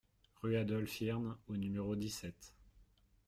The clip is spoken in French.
Rue Adolphe Hirn au numéro dix-sept